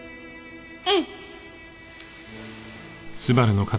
うん！